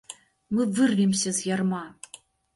Мы вырвемся з ярма!